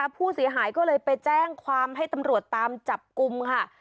ผู้เสียหายก็เลยไปแจ้งความให้ตำรวจตามจับกลุ่มค่ะ